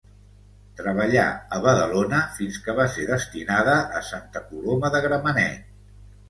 Treballà a Badalona fins que va ser destinada a Santa Coloma de Gramenet.